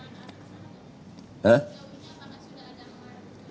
kejagungnya apakah sudah ada aliran